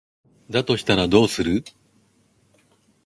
だとしたらどうする？